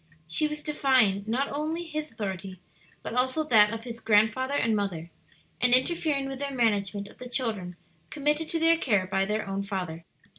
She was defying riot only his authority, but also that of his grandfather and mother, and interfering with their management of the children committed to their care by their own father.